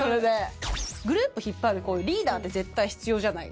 グループ引っ張るリーダーって絶対必要じゃない？